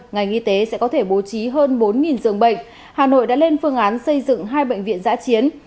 ngành y tế sẽ có thể bố trí hơn bốn dường bệnh hà nội đã lên phương án xây dựng hai bệnh viện giã chiến